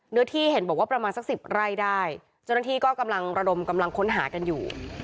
ที่เห็นบอกว่าประมาณสักสิบไร่ได้เจ้าหน้าที่ก็กำลังระดมกำลังค้นหากันอยู่